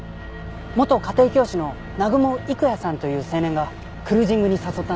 元家庭教師の南雲郁也さんという青年がクルージングに誘ったんです。